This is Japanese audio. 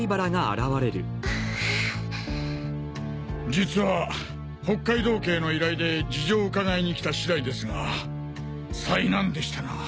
実は北海道警の依頼で事情を伺いに来た次第ですが災難でしたな。